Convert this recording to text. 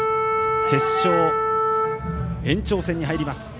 決勝、延長戦に入ります。